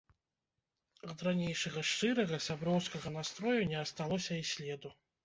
Ад ранейшага шчырага, сяброўскага настрою не асталося і следу.